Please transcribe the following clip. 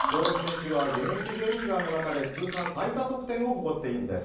興梠選手は現役Ｊリーガーの中で現役選手の中で最多得点を持っているんです。